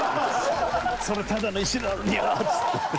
「それただの石なのによ！」っつって。